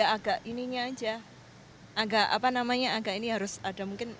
agak ininya aja agak apa namanya agak ini harus ada mungkin